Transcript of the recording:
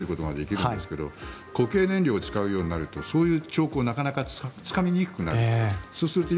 衛星で始まったなと探知することができるんですが固形燃料を使うようになるとそういう兆候をなかなかつかみにくくなる。